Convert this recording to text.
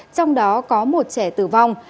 trong đó có một trẻ tử vong